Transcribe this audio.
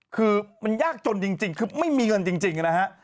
คือมันยากจนจริงคือไม่มีเงินจริงนะฮะ